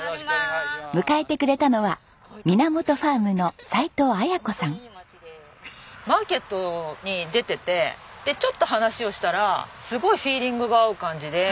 迎えてくれたのはマーケットに出ててちょっと話をしたらすごいフィーリングが合う感じで。